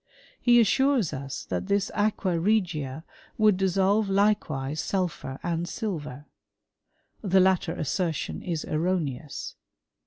% He assures us that this aqua regia would dissolve likewise sulphur and silver. The latter assertion is erroneous.